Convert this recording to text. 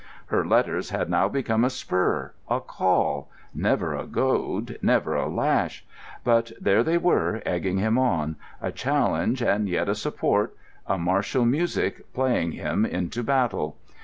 Her letters had now become a spur, a call—never a goad, never a lash; but there they were, egging him on, a challenge and yet a support, a martial music playing him into battle.